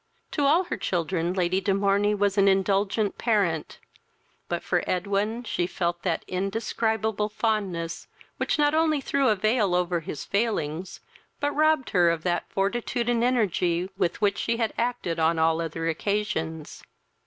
To all her children Lady de Morney was an indulgent parent; but for Edwin she felt that indescribable fondness which not only threw a veil over his failings, but robbed her of that fortitude and energy with which she acted on all other occasions.